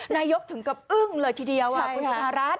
นายกถึงกับอึ้งเลยทีเดียวคุณจุธารัฐ